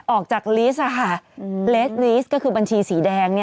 ออกจากลิสต์เลสลิสต์ก็คือบัญชีสีแดง